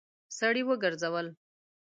سړی وګرځول.